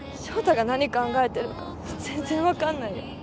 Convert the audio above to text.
翔太が何考えてるか全然分かんないよ。